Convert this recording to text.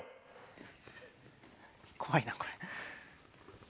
怖いなこれ。